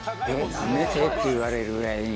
何年生？って言われるくらいに。